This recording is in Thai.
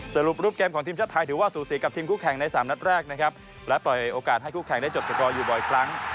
สรุปรูปเกมของทีมชาติไทยถือว่าสูสีกับทีมคู่แข่งในสามนัดแรกนะครับและปล่อยโอกาสให้คู่แข่งได้จบสกอร์อยู่บ่อยครั้ง